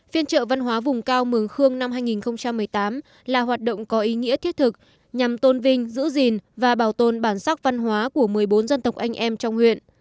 phiên trợ văn hóa vùng cao mường khương năm hai nghìn một mươi tám là hoạt động có ý nghĩa thiết thực nhằm tôn vinh giữ gìn và bảo tồn bản sắc văn hóa của một mươi bốn dân tộc anh em trong huyện